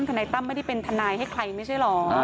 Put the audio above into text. นายตั้มไม่ได้เป็นทนายให้ใครไม่ใช่เหรอ